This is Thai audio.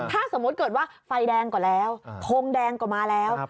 ถ้าสมมติเกิดว่าไฟแดงกว่าแล้วโพงแดงกว่ามาแล้ว